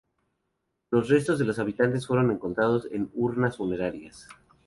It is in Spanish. Los restos de los habitantes fueron encontrados en urnas funerarias.